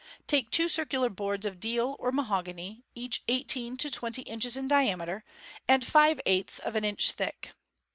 Take two circular boards of deal or mahogany, each eighteen to twenty inches in diameter, and five eighths of an inch thick.